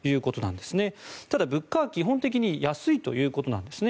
また、物価は基本的に安いということなんですね。